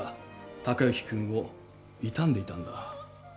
貴之君を悼んでいたんだ。